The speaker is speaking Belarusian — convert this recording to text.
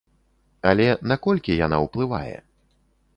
Але наколькі яна ўплывае?